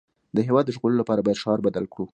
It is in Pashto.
د هېواد د ژغورلو لپاره باید شعار بدل کړو